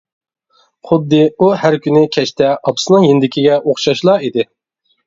خۇددى ئۇ ھەر كۈنى كەچتە ئاپىسىنىڭ يېنىدىكىگە ئوخشاشلا ئىدى.